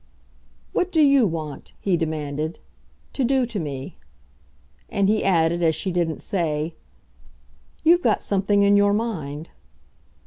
"What do you want," he demanded, "to do to me?" And he added, as she didn't say: "You've got something in your mind."